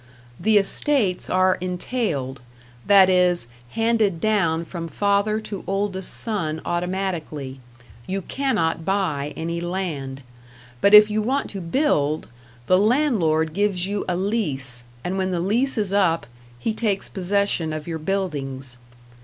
The estates are entailed that is, handed down from father to oldest son automatically; you cannot buy any land, but if you want to build, the landlord gives you a lease, and when the lease is up, he takes possession of your buildings.